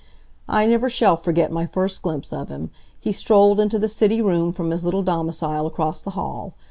I never shall forget my first glimpse of him. He strolled into the city room from his little domicile across the hall.